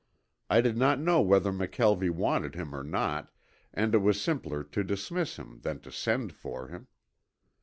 I did not know whether McKelvie wanted him or not, and it was simpler to dismiss him than to send for him.